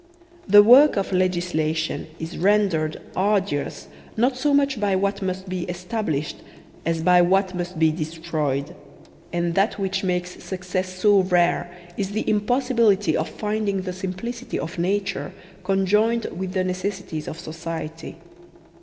The work of legislation is rendered arduous not so much by what must be established as by what must be destroyed; and that which makes success so rare is the impossibility of finding the simplicity of nature conjoined with the necessities of society.